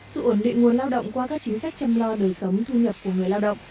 sự ổn định nguồn lao động qua các chính sách chăm lo đời sống thu nhập của người lao động